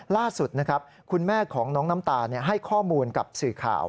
ล่าสุดนะครับคุณแม่ของน้องน้ำตาลให้ข้อมูลกับสื่อข่าว